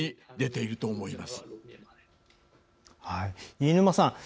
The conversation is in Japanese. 飯沼さん